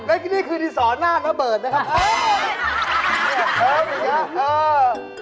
งั้นนี่คือดีสอหน้าพับเบิร์ตนะครับ